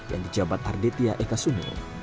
yang di jabat ardetia eka sunung